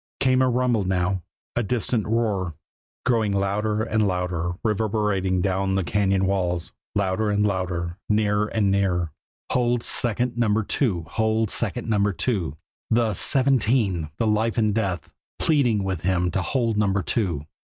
Came a rumble now a distant roar, growing louder and louder, reverberating down the cañon walls louder and louder nearer and nearer. "Hold second Number Two. Hold second Number Two" the "seventeen," the life and death, pleading with him to hold Number Two.